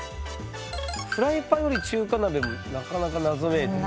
「フライパンより中華鍋」もなかなか謎めいてますね。